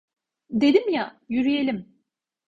Dedim ya, yürüyelim.